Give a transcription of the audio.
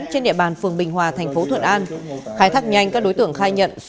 trên địa bàn phường bình hòa thành phố thuận an